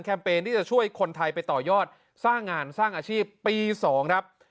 เปญที่จะช่วยคนไทยไปต่อยอดสร้างงานสร้างอาชีพปี๒ครับ